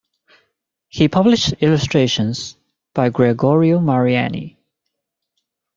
He published illustrations by Gregorio Mariani.